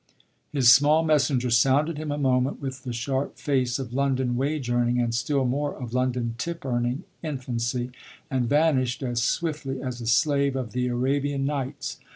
His small messenger sounded him a moment with the sharp face of London wage earning, and still more of London tip earning, infancy, and vanished as swiftly as a slave of the Arabian Nights.